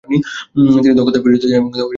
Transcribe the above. তিনি দক্ষতার পরিচয় দেন এবং সম্মানলাভ করেন।